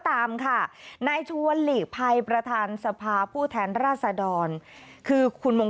ตามค่ะนายชวนหลีกภัยประธานสภาผู้แทนราษดรคือคุณมง